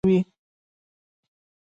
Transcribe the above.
واوره د افغانانو د ژوند طرز ډېر اغېزمنوي.